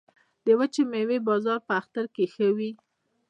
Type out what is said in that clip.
د وچې میوې بازار په اختر کې ښه وي